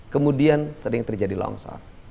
kemudian sering terjadi longsor